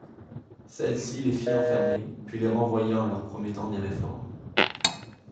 Celle-ci les fit enfermer, puis les renvoya en leur promettant des réformes.